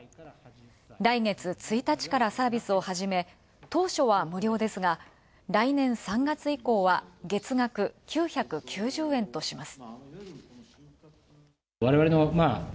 来月１日からサービスをはじめ当初は無料ですが、来年３月以降は月額９９０円とします。